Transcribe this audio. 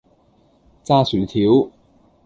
炸薯條